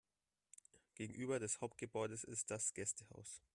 Gegenüber des Hauptgebäudes ist das Gästehaus.